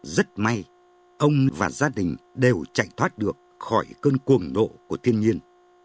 rất may ông và gia đình đều chạy thoát được khỏi cơn cuồng độ của thiên nhiên